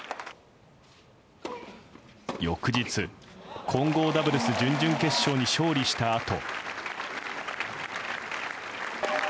翌日、混合ダブルス準々決勝に勝利したあと。